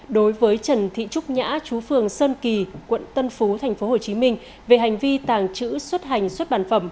đối với trần thị trúc nhã chú phường sơn kỳ quận tân phú tp hcm về hành vi tàng trữ xuất hành xuất bản phẩm